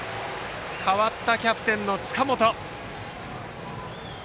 代わったキャプテンの塚本。